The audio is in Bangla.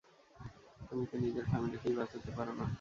তুমি তো নিজের ফ্যামিলিকেই বাঁচাতে পার না।